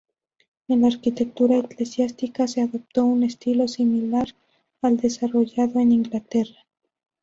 En la arquitectura eclesiástica, se adoptó un estilo similar al desarrollado en Inglaterra.